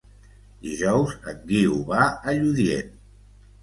Dijous en Guiu va a Lludient.